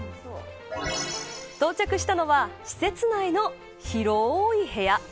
到着したのは施設内の広い部屋。